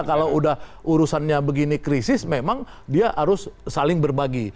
kalau udah urusannya begini krisis memang dia harus saling berbagi